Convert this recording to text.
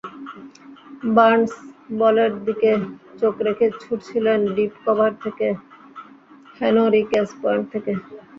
Burns বলের দিকে চোখ রেখে ছুটছিলেন ডিপ কভার থেকে, হেনরিকেস পয়েন্ট থেকে।